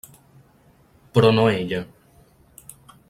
Però no ella.